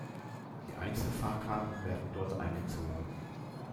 Die Einzelfahrkarten werden dort eingezogen.